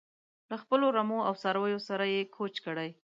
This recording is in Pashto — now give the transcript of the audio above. له خپلو رمو او څارویو سره یې کوچ کړی.